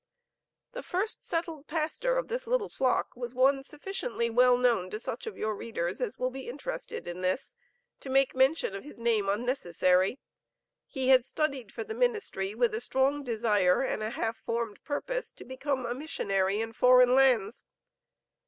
"The first settled pastor of this little flock was one sufficiently well known to such of your readers as will be interested in this, to make mention of his name unnecessary. He had studied for the ministry with a strong desire, and a half formed purpose to become a missionary in foreign lands.